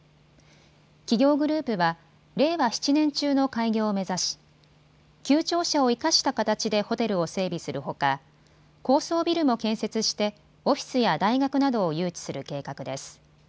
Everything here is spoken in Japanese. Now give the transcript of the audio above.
企業グループは令和７年中の開業を目指し旧庁舎を生かした形でホテルを整備するほか高層ビルも建設してオフィスや大学などを誘致する計画です。